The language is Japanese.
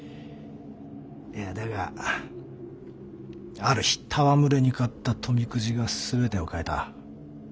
いやだがある日戯れに買った富くじがすべてを変えた。